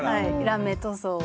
ラメ塗装を。